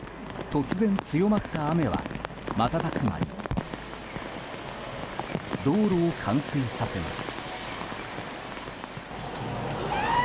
突然強まった雨は瞬く間に道路を冠水させます。